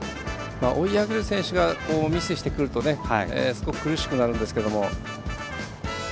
追い上げる選手がミスしてくるとすごく苦しくなるんですけど。